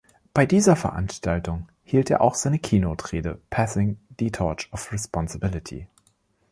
Bei dieser Veranstaltung hielt er auch seine Keynote-Rede „Passing the Torch of Responsibility“.